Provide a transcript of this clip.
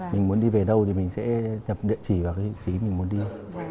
mình muốn đi về đâu thì mình sẽ nhập địa chỉ vào cái vị trí mình muốn đi